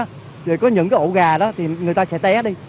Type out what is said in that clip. rồi có những cái ổ gà đó thì người ta sẽ té đi